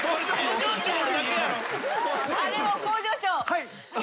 はい。